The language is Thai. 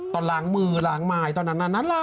และล้างมือตอนนั้นน่ารัก